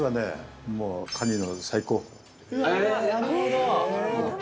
なるほど。